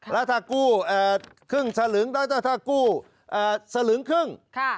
แล้วถ้ากู้ครึ่งสลึงแล้วถ้ากู้สลึงครึ่ง